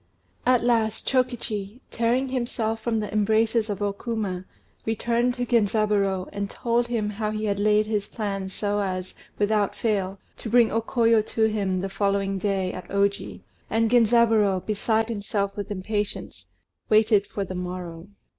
At last Chokichi, tearing himself from the embraces of O Kuma, returned to Genzaburô, and told him how he had laid his plans so as, without fail, to bring O Koyo to him, the following day, at Oji, and Genzaburô, beside himself with impatience, waited for the morrow.